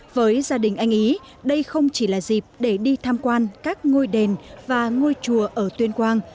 với gia đình anh ý đây không chỉ là dịp để đi tham quan các ngôi đền và ngôi chùa ở tuyên quang